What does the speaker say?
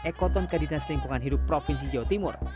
ekoton kadinas lingkungan hidup provinsi jawa timur